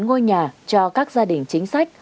ngôi nhà cho các gia đình chính sách